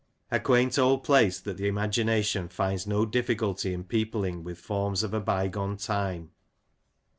A quaint old place that the imagination finds no difficulty in peopling with forms of a bygone time.